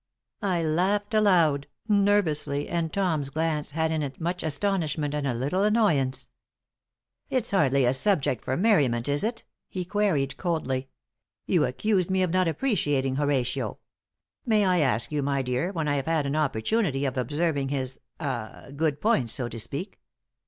I laughed aloud, nervously, and Tom's glance had in it much astonishment and a little annoyance. "It's hardly a subject for merriment, is it?" he queried, coldly. "You accuse me of not appreciating Horatio. May I ask you, my dear, when I have had an opportunity of observing his ah good points, so to speak?